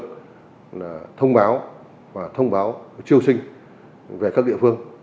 chúng tôi thông báo và thông báo triêu sinh về các địa phương